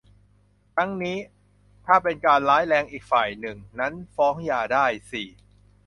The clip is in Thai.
ทั้งนี้ ถ้าเป็นการร้ายแรงอีกฝ่ายหนึ่งนั้นฟ้องหย่าได้ สี่